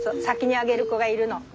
先にあげる子がいるの。